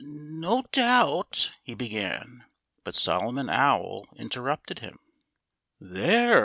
"No doubt——" he began. But Solomon Owl interrupted him. "There!"